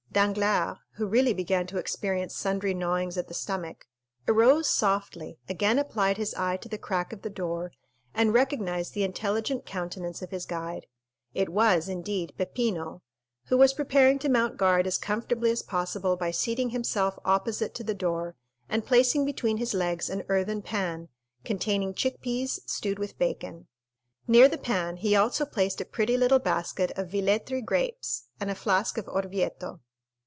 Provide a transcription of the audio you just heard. Danglars, who really began to experience sundry gnawings at the stomach, arose softly, again applied his eye to the crack of the door, and recognized the intelligent countenance of his guide. It was, indeed, Peppino who was preparing to mount guard as comfortably as possible by seating himself opposite to the door, and placing between his legs an earthen pan, containing chick peas stewed with bacon. Near the pan he also placed a pretty little basket of Villetri grapes and a flask of Orvieto.